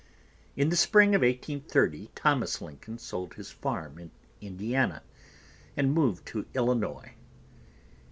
In the spring of 1830 Thomas Lincoln sold his farm in Indiana and moved to Illinois.